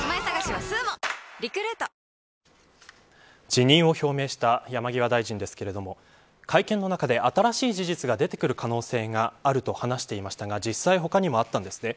辞任を表明した山際大臣ですけれども会見の中で、新しい事実が出てくる可能性があると話していましたが実際他にもあったんですね。